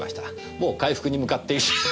もう回復に向かって。